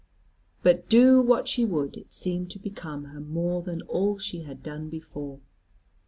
But do what she would, it seemed to become her more than all she had done before.